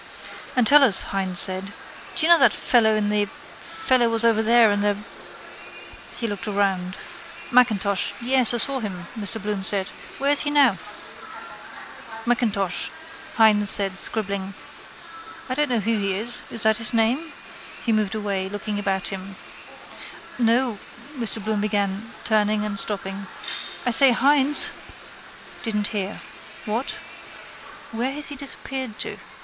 —And tell us, Hynes said, do you know that fellow in the, fellow was over there in the... He looked around. —Macintosh. Yes, I saw him, Mr Bloom said. Where is he now? —M'Intosh, Hynes said scribbling. I don't know who he is. Is that his name? He moved away, looking about him. —No, Mr Bloom began, turning and stopping. I say, Hynes! Didn't hear. What? Where has he disappeared to?